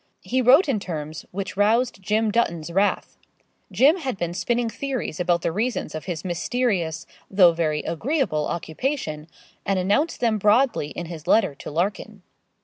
He wrote in terms which roused Jim Dutton's wrath. Jim had been spinning theories about the reasons of his mysterious, though very agreeable occupation, and announced them broadly in his letter to Larkin.